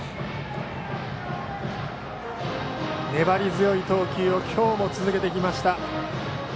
粘り強い投球を今日も続けてきました。